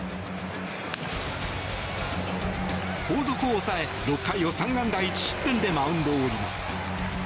後続を抑え６回を３安打１失点でマウンドを降ります。